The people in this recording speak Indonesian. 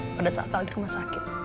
pada saat al di rumah sakit